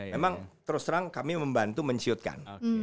memang terus terang kami membantu menciutkan